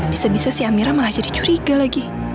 bisa bisa sih amira malah jadi curiga lagi